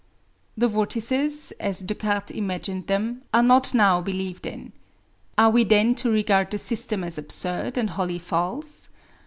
The vortices, as Descartes imagined them, are not now believed in. Are we then to regard the system as absurd and wholly false?